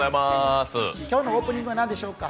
今日のオープニングは何でしょうか？